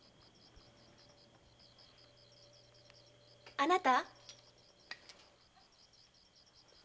・あなた。